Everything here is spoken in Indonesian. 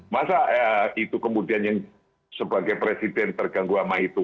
masa itu kemudian yang sebagai presiden terganggu sama itu